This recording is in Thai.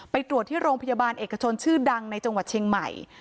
ไปตรวจที่โรงพยาบาลเอกชนชื่อดังในจังหวัดเชียงใหม่